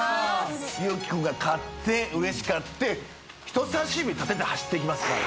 龍樹君が勝ってうれしかって人さし指立てて走ってきますから。